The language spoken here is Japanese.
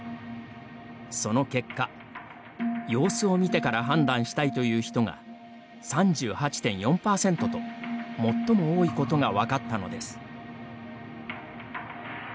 その結果「様子を見てから判断したい」という人が３８．４％と最も多いことが分かったのです。